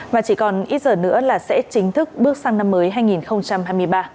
mà chỉ còn ít giờ nữa là sẽ chính thức bước sang năm mới hai nghìn hai mươi ba